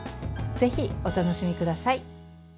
ぜひお楽しみください。